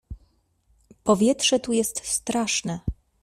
"Powietrze tu jest straszne!"